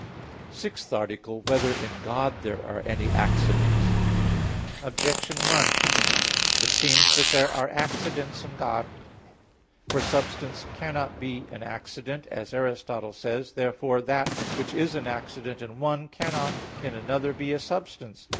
_______________________ SIXTH ARTICLE [I, Q. 3, Art. 6] Whether in God There Are Any Accidents? Objection 1: It seems that there are accidents in God. For substance cannot be an accident, as Aristotle says (Phys. i). Therefore that which is an accident in one, cannot, in another, be a substance.